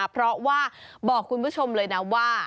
เพราะว่าบอกคุณผู้ชมเลยนะว่า